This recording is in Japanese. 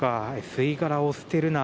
吸殻を捨てるな！！